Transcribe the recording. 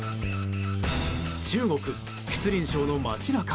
中国・吉林省の街中。